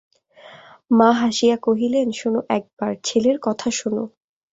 মা হাসিয়া কহিলেন, শোনো একবার ছেলের কথা শোনো।